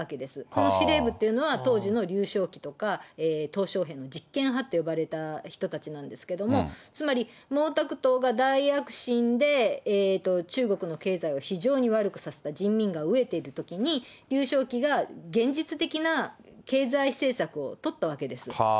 この司令部っていうのは、当時のりゅうしょうきとか、とう小平の実権派と呼ばれた人たちなんですけれども、つまり毛沢東が大躍進で、中国の経済を非常に悪くさせた、人民が飢えているときにりゅうしょうきが現実的な経済政策を取ったわけですよ。